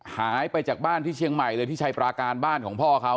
หายไปจากบ้านที่เชียงใหม่เลยที่ชัยปราการบ้านของพ่อเขา